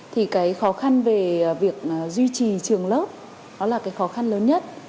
thì cái khó khăn về việc duy trì trường lớp nó là cái khó khăn lớn nhất